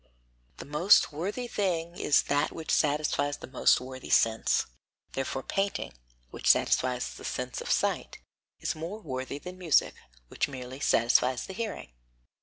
The most worthy thing is that which satisfies the most worthy sense; therefore painting, which satisfies the sense of sight, is more worthy than music, which merely satisfies the hearing.